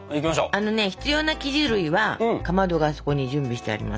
あのね必要な生地類はかまどがそこに準備してあります。